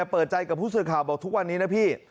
เปิดใจกับผู้สื่อข่าวบอกทุกวันนี้นะพี่